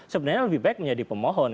sebenarnya lebih baik menjadi pemohon